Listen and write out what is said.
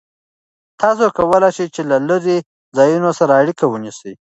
تاسو کولای شئ چې له لرې ځایونو سره اړیکه ونیسئ.